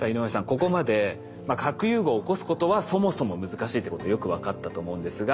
ここまで核融合を起こすことはそもそも難しいっていうことよく分かったと思うんですが。